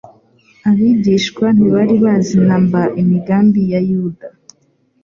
Abigishwa ntibari bazi namba imigambi ya Yuda.